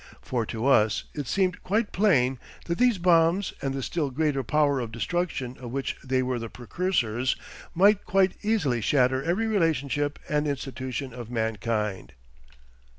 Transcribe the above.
For to us it seemed quite plain that these bombs and the still greater power of destruction of which they were the precursors might quite easily shatter every relationship and institution of mankind.